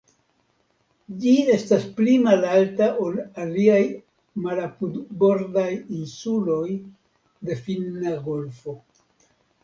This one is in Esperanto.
Ĝi estas pli malalta ol aliaj malapudbordaj insuloj de Finna golfo.